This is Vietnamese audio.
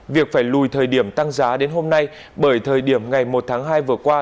việc phải lùi thời điểm tăng giá đến hôm nay bởi thời điểm ngày một tháng hai vừa qua